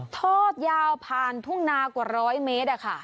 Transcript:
ทอดยาวผ่านทุ่งนากว่า๑๐๐เมตร